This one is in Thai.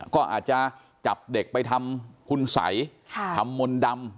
ก็อาจจะจับเด็กไปทำคุณสัยทำมนต์ดำ